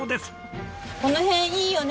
この辺いいよね？